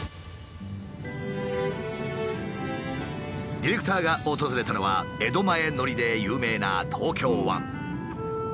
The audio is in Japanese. ディレクターが訪れたのは江戸前のりで有名な東京湾。